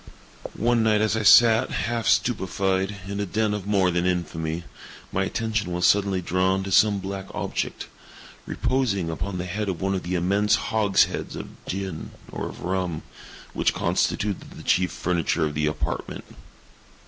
One night as I sat, half stupefied, in a den of more than infamy, my attention was suddenly drawn to some black object, reposing upon the head of one of the immense hogsheads of gin, or of rum, which constituted the chief furniture of the apartment.